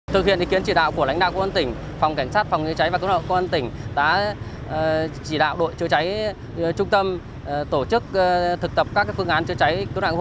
thực hiện ý kiến chỉ đạo của lãnh đạo công an tỉnh phòng cảnh sát phòng cháy cháy và cứu nạn công an tỉnh đã chỉ đạo đội chữa cháy trung tâm tổ chức thực tập các phương án chữa cháy cứu nạn hộ